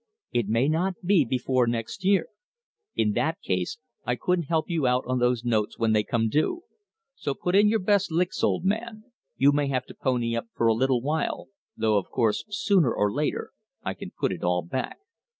It may not be before next year. In that case I couldn't help you out on those notes when they come due. So put in your best licks, old man. You may have to pony up for a little while, though of course sooner or later I can put it all back.